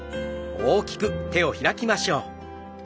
大きく手を開きましょう。